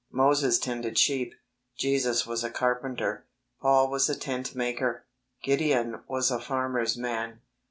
Moses tended sheep. Jesus was a carpenter. Paul was a tent maker. Gideon was a farmer's man.